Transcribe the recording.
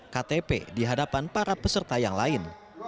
ktp di hadapan para peserta yang lain